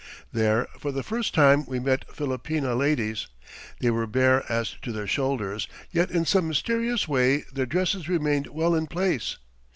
There for the first time we met Filipina ladies. They were bare as to their shoulders, yet in some mysterious way their dresses remained well in place.